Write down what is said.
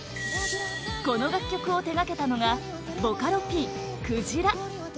この楽曲を手掛けたのがボカロＰくじら